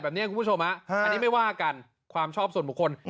อันนี้ไม่ว่ากัน